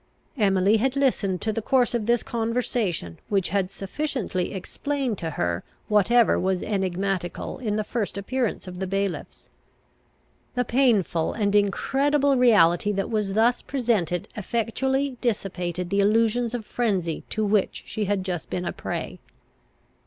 Emily had listened to the course of this conversation, which had sufficiently explained to her whatever was enigmatical in the first appearance of the bailiffs. The painful and incredible reality that was thus presented effectually dissipated the illusions of frenzy to which she had just been a prey.